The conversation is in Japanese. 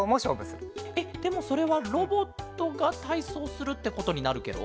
えでもそれはロボットがたいそうするってことになるケロ。